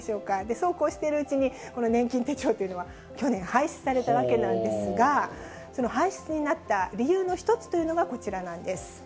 そうこうしているうちに、この年金手帳というのは去年、廃止されたわけなんですが、その廃止になった理由の１つというのが、こちらなんです。